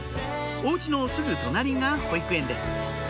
お家のすぐ隣が保育園です